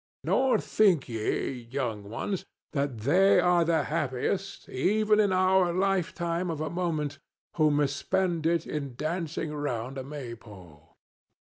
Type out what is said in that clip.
—Nor think ye, young ones, that they are the happiest, even in our lifetime of a moment, who misspend it in dancing round a Maypole."